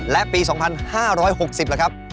และปี๒๕๖๐ครับ